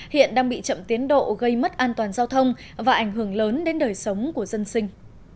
hiện đang bị chậm tiến độ gây mất an toàn giao thông và ảnh hưởng lớn đến đời sống của dân sinh